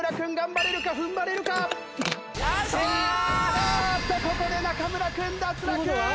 あーっとここで中村君脱落！